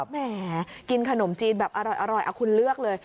แหมกินขนมจีนแบบอร่อยคุณเลือกเลย